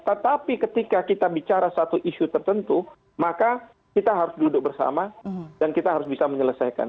tetapi ketika kita bicara satu isu tertentu maka kita harus duduk bersama dan kita harus bisa menyelesaikan